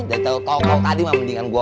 dari tau tau tadi mah mendingan gua